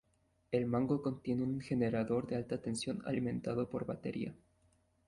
El mango contiene un generador de alta tensión alimentado por batería.